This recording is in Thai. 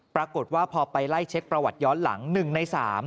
ปรากฏว่าพอไปไล่เช็คประวัติย้อนหลัง๑ใน๓